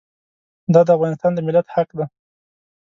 دا د افغانستان د ملت حق دی.